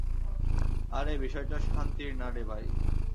আরে, বিষয়টা শান্তির না রে, ভাই।